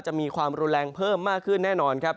จะมีความรุนแรงเพิ่มมากขึ้นแน่นอนครับ